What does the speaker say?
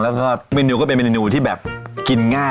แล้วก็เมนูก็เป็นเมนูที่แบบกินง่าย